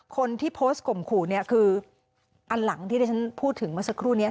คนที่โพสต์ข่มขู่เนี่ยคืออันหลังที่ที่ฉันพูดถึงเมื่อสักครู่นี้